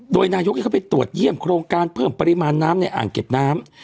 โดยนายกเข้าไปตรวจเยี่ยมโครงการเพิ่มปริมาณน้ำในอ่างเก็บน้ำ